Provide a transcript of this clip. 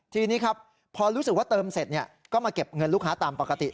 ทีนี้ครับพอรู้สึกว่าเติมเสร็จก็มาเก็บเงินลูกค้าตามปกติ